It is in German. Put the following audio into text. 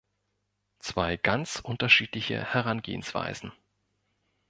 Zwei ganz unterschiedliche Herangehensweisen.